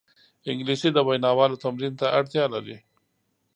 انګلیسي د ویناوالو تمرین ته اړتیا لري